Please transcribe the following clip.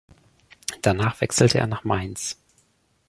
Danach wechselte er nach Mainz.